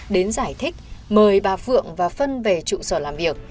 đến giải thích mời bà phượng và phân về trụ sở làm việc